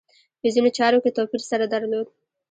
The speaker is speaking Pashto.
په ځینو چارو کې توپیر سره درلود.